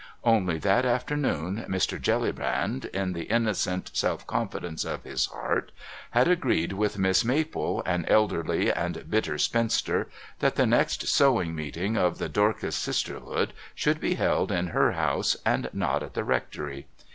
Only that afternoon Mr. Jellybrand, in the innocent self confidence of his heart, had agreed with Miss Maple, an elderly and bitter spinster, that the next sewing meeting of the Dorcas Sisterhood should be held in her house and not at the Rectory.